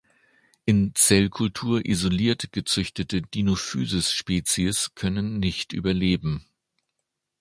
In Zellkultur isoliert gezüchtete "Dinophysis"-Spezies können nicht überleben.